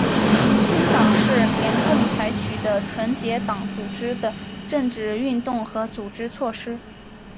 清党是联共采取的纯洁党组织的政治运动和组织措施。